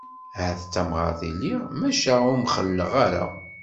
Ahat d tamɣart i lliɣ, maca ur mxelleɣ ara.